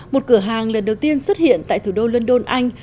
một cửa hàng lần đầu tiên xuất hiện tại thủ đô london anh